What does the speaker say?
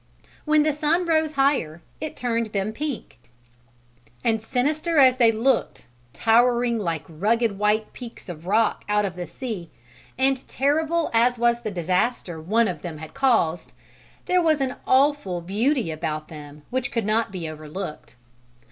When the sun rose higher, it turned them pink, and sinister as they looked towering like rugged white peaks of rock out of the sea, and terrible as was the disaster one of them had caused, there was an awful beauty about them which could not be overlooked.